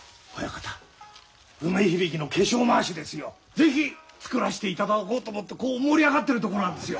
是非作らせていただこうと思って盛り上がってるとこなんですよ。